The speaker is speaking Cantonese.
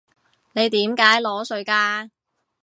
你點解裸睡㗎？